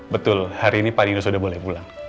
betul hari ini pak dino sudah boleh pulang